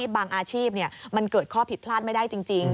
บางอาชีพมันเกิดข้อผิดพลาดไม่ได้จริง